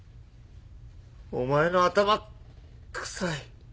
お前の頭臭い。